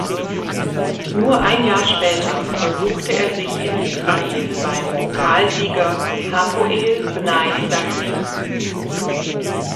Nur ein Jahr später versuchte er sich in Israel beim Pokalsieger Hapoel Bnei Sachnin.